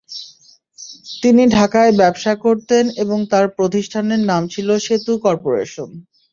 তিনি ঢাকায় ব্যবসা করতেন এবং তাঁর প্রতিষ্ঠানের নাম ছিল সেতু করপোরেশন।